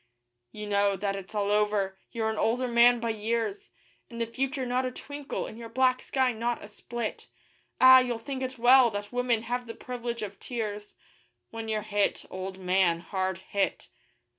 You know that it's all over you're an older man by years, In the future not a twinkle, in your black sky not a split. Ah! you'll think it well that women have the privilege of tears, When you're hit, old man hard hit.